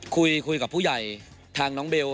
คุยกับผู้ใหญ่ทางน้องเบล